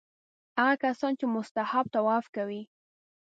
هغه کسان چې مستحب طواف کوي.